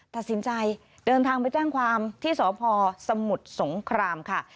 ตัดสินใจเดินทางไปแจ้งความที่สพสมุทรสงครามค่ะ